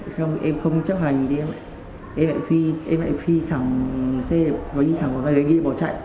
xong em không chấp hành thì em lại phi thẳng xe có gì thẳng vào đây anh ấy bỏ chạy